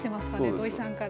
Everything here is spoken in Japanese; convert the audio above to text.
土井さんから。